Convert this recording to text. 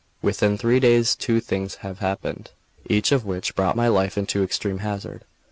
Within three days two things happened, each of which brought my life into extreme hazard.